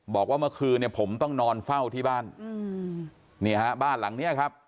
บอกว่าเมื่อคืนเนี่ยผมต้องนอนเฝ้าที่บ้านอืมเนี่ยฮะบ้านหลังเนี้ยครับ